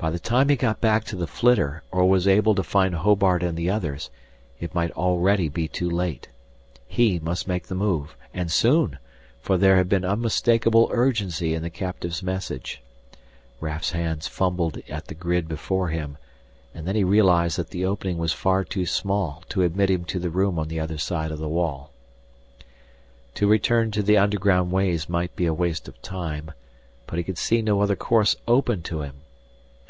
By the time he got back to the flitter or was able to find Hobart and the others, it might already be too late. He must make the move, and soon, for there had been unmistakable urgency in the captive's message. Raf's hands fumbled at the grid before him, and then he realized that the opening was far too small to admit him to the room on the other side of the wall. To return to the underground ways might be a waste of time, but he could see no other course open to him.